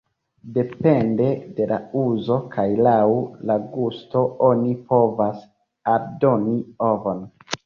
Depende de la uzo kaj laŭ la gusto oni povas aldoni ovon.